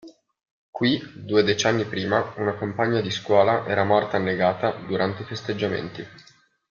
Qui due decenni prima una compagna di scuola era morta annegata durante i festeggiamenti.